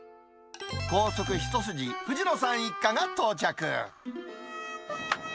高速一筋藤野さん一家が到着。